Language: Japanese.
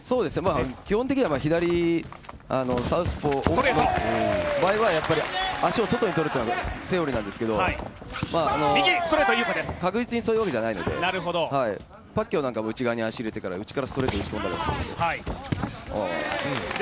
基本的には左サウスポーの場合は、足を外にとるのがセオリーなんですけど確実にそういうわけじゃないので、パッキャオなんかも内側に足を入れて内からストレート打ち込んだりするんで。